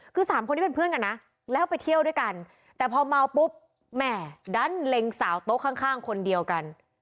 คือสามคนที่เป็นเพื่อนกันนะแล้วไปเที่ยวด้วยกันแต่พอเมาปุ๊บแหม่ดันเล็งสาวโต๊ะข้างคนเดียวกัน